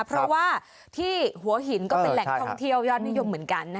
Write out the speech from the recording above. เพราะว่าที่หัวหินก็เป็นแหล่งท่องเที่ยวยอดนิยมเหมือนกัน